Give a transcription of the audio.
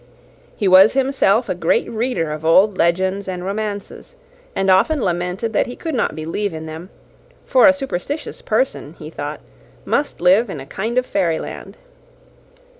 He was himself a great reader of old legends and romances, and often lamented that he could not believe in them; for a superstitious person, he thought, must live in a kind of fairyland.